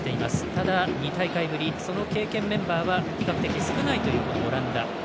ただ、２大会ぶりその経験メンバーは比較的少ないというオランダ。